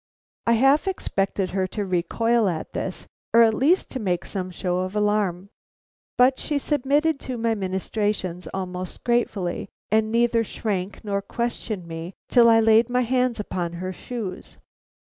I half expected her to recoil at this, or at least to make some show of alarm, but she submitted to my ministrations almost gratefully, and neither shrank nor questioned me till I laid my hands upon her shoes.